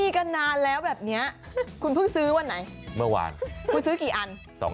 คือสีเงินกับสีทอง